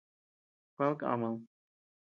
Kued kamad.